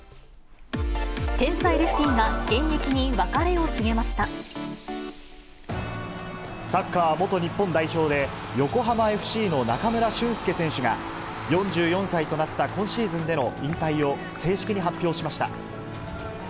天才レフティが現役に別れをサッカー元日本代表で、横浜ＦＣの中村俊輔選手が、４４歳となった今シーズンでの引退を正式に発表しました。